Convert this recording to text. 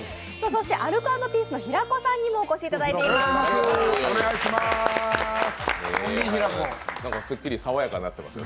そしてアルコ＆ピースの平子さんにもお越しいただいています。